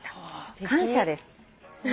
「感謝です」